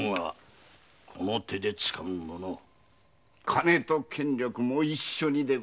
金と権力も一緒にで？